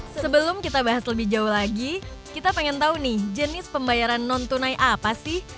sebelum kita bahas lebih jauh lagi kita pengen tahu nih jenis pembayaran non tunai apa sih